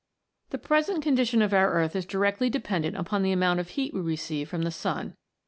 The present condition of our earth is directly dependent upon the amount of heat we receive from the sun.